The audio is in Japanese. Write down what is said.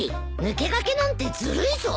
抜け駆けなんてずるいぞ。